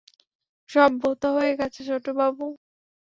সব ভোঁতা হয়ে গেছে ছোটবাবু।